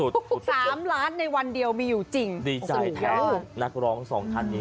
สุดสุด๓ล้านในวันเดียวมีอยู่จริงอ๋อสุดดีใจแหละนักร้องส่องที่นี่มั้ย